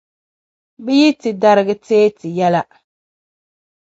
Bɛ yi ti darigi teei ti yɛla.